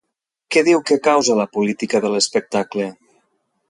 Què diu que causa la política de l'espectacle?